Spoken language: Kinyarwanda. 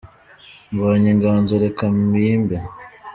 Mbonye inganzo reka mpimbe